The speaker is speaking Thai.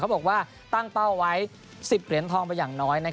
บอกว่าตั้งเป้าไว้๑๐เหรียญทองไปอย่างน้อย